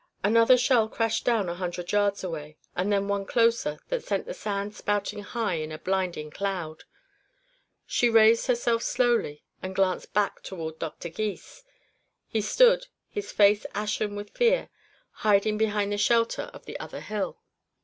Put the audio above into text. Another shell crashed down a hundred yards away, and then one closer that sent the sand spouting high in a blinding cloud. She raised herself slowly and glanced back toward Doctor Gys. He stood, his face ashen with fear, hiding behind the shelter of the other hill.